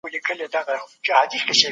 زه کتاب خلاصوم.